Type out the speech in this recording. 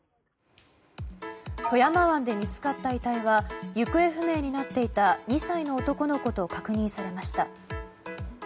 富山湾で見つかった遺体は行方不明になっていた２歳の男の子と確認されました。